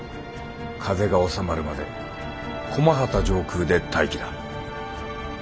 風が収まるまで駒畠上空で待機だ。